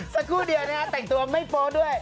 สักครู่เดียวนะฮะแต่งตัวไม่โป๊ะด้วย